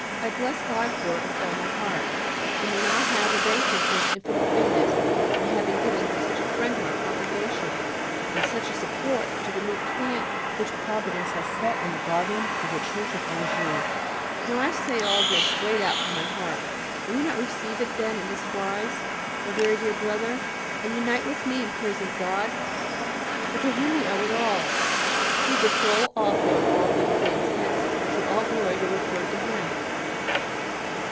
I bless God for it with all my heart, and know not how to thank Him for His infinite Goodness in having given such a friend to our Congregation, and such a support to the new plant which Providence has set in the garden of the church of Angers. Now I say all this straight out from my heart; will you not receive it, then, in this wise, my very dear brother, and unite with me in praising God, for to Him we owe it all. He is the sole author of all good things, hence should all glory be referred to Him.